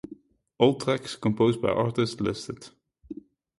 All tracks composed by artist listed.